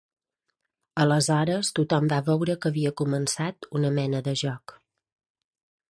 Aleshores tothom va veure que havia començat una mena de joc.